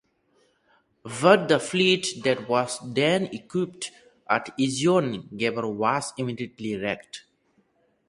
But the fleet that was then equipped at Ezion-Geber was immediately wrecked.